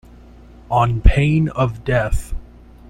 On pain of death.